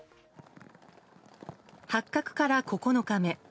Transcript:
発覚から９日目。